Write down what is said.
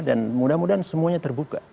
dan mudah mudahan semuanya terbuka